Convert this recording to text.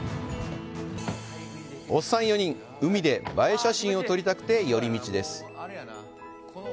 おっさん４人、海で映え写真を撮りたくて寄り道です。